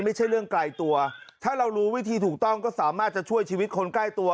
ไม่ใช่เรื่องไกลตัวถ้าเรารู้วิธีถูกต้องก็สามารถจะช่วยชีวิตคนใกล้ตัว